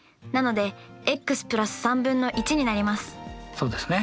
そうですね。